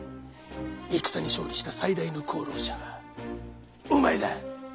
戦に勝利した最大の功労者はお前だ。